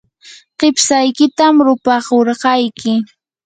qipshaykitam rupakurqayki.